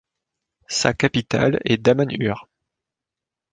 Sa capitale est Damanhur.